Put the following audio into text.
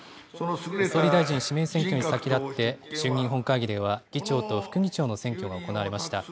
総理大臣指名選挙に先立って、衆議院本会議では議長と副議長の選挙が行われました。